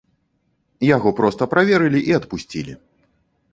Яго проста праверылі і адпусцілі.